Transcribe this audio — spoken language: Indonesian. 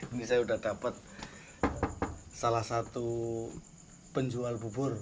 ini saya sudah dapat salah satu penjual bubur